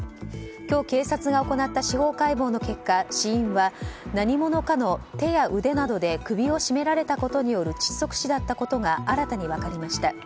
今日、警察が行った司法解剖の結果死因は、何者かの手や腕などで首を絞められたことによる窒息死だったことが新たに分かりました。